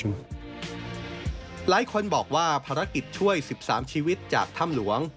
หลายคนบอกว่าภารกิจช่วย๑๓ชีวิตจากถ้ำหลวง